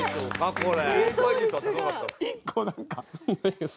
これ！